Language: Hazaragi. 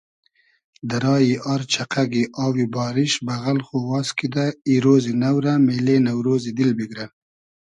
دۂ رایی آر چئقئگی آوی باریش بئغئل خو واز کیدۂ ای رۉزی نۆ رۂ مېلې نۆرۉزی دیل بیگرۂ